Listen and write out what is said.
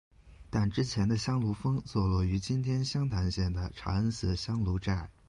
但之前的香炉峰坐落于今天湘潭县的茶恩寺香炉寨。